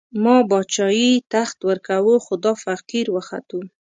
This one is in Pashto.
ما باچايي، تخت ورکوو، خو دا فقير وختو